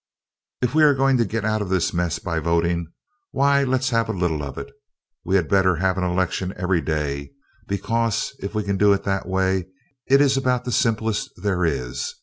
If we are going to get out of this muss by voting, why, let's have a little of it. We had better have an election every day, because if we can do it that way it is about the simplest there is.